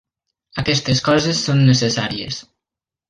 Aquestes coses són necessàries.